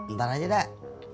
ntar aja dah